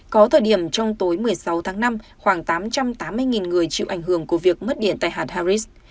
có thời điểm trong tối một mươi sáu tháng năm khoảng tám trăm tám mươi người chịu ảnh hưởng của việc mất điện tại hạt harris